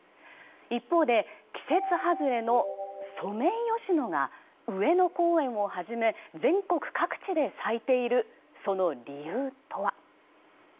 一方で季節外れのソメイヨシノが上野公園をはじめ全国各地で咲いているその理由とは？